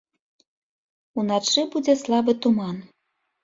Уначы будзе слабы туман.